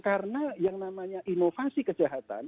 karena yang namanya inovasi kejahatan